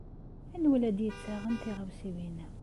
Anwa i la d-yettaɣen tiɣawsiwin-a?